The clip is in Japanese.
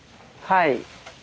はい。